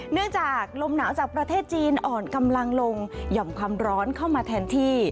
เนื่องจากลมหนาวจากประเทศจีนอ่อนกำลังลงหย่อมความร้อนเข้ามาแทนที่